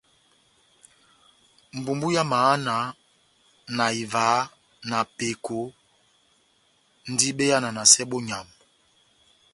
Mbumbu ya mahana na ivaha na peko ndi be yananasɛ bonyamu.